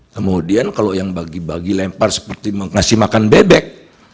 kemudian kalau yang bagi bagi lempar seperti ngasih makan bebek